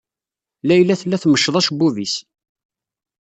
Layla tella tmecceḍ acebbub-is.